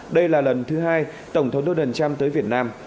đây là lần thứ hai tổng thống donald trump tới việt nam